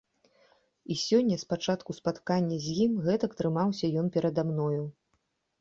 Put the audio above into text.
І сёння з пачатку спаткання з ім гэтак трымаўся ён перада мною.